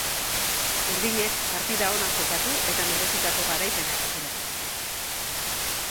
Urdinek partida ona jokatu eta merezitako garaipena eskuratu dute.